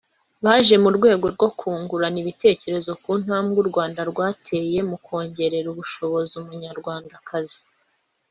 Baje mu rwego rwo kungurana ibitekerezo ku ntambwe u Rwanda rwateye mu kongerera ubushobozi Umunyarwandakazi